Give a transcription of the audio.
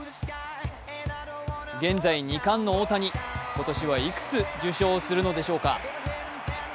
現在２冠の大谷、今年はいくつ受賞するのでしょうか。